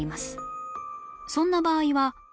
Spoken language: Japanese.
そんな場合は